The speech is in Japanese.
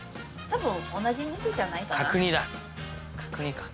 同じ肉じゃないかな。